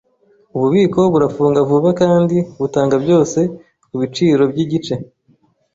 Ububiko burafunga vuba kandi butanga byose kubiciro byigice.